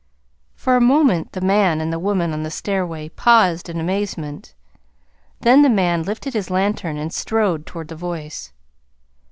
For a moment the man and the woman on the stairway paused in amazement, then the man lifted his lantern and strode toward the voice.